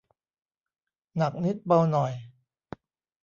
หนักนิดเบาหน่อย